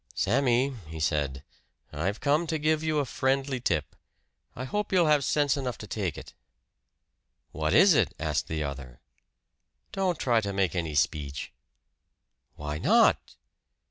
"Sammy," he said, "I've come to give you a friendly tip; I hope you'll have sense enough to take it." "What is it?" asked the other. "Don't try to make any speech." "Why not?"